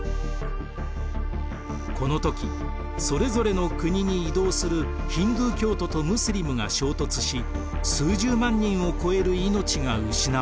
この時それぞれの国に移動するヒンドゥー教徒とムスリムが衝突し数十万人を超える命が失われました。